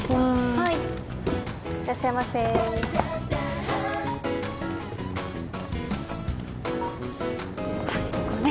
はいいらっしゃいませ箱根！